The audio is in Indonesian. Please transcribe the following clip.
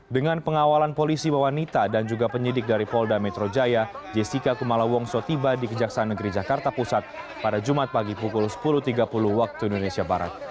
dengan pengawalan polisi bahwanita dan juga penyidik dari polda metro jaya jessica kumala wongso tiba di kejaksaan negeri jakarta pusat pada jumat pagi pukul sepuluh tiga puluh waktu indonesia barat